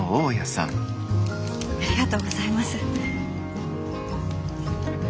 ありがとうございます。